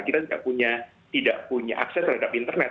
kita tidak punya akses terhadap internet